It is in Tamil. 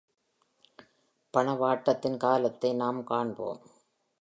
பணவாட்டத்தின் காலத்தை நாம் காண்போம்.